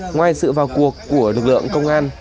ngoài sự vào cuộc của lực lượng công an